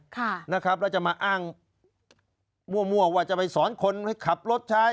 ค่ะนะครับแล้วจะมาอ้างมั่วว่าจะไปสอนคนให้ขับรถใช้